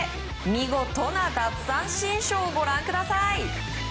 見事な奪三振ショーをご覧ください。